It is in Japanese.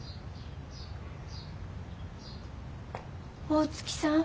大月さん？